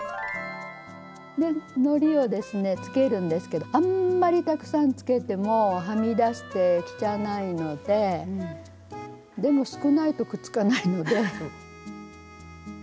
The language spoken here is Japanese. のりをですねつけるんですけどあんまりたくさんつけてもはみ出して汚いのででも少ないとくっつかないので。